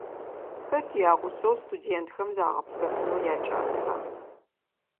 Хэт ягъусэу студентхэм загъэпсэфынэу якӏаса?